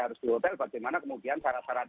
harus di hotel bagaimana kemudian syarat syarat